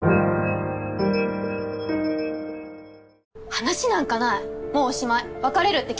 話なんかないもうおしまい別れるって決めたから。